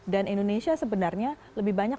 dan indonesia sebenarnya lebih banyak